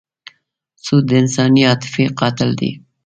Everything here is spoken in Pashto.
سود د انساني عاطفې قاتل دی.